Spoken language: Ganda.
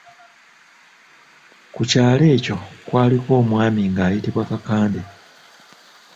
Ku kyalo ekyo kwaliko omwami nga ayitibwa Kakandde.